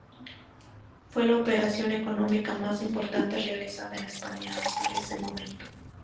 Fue la operación económica más importante realizada en España hasta ese momento.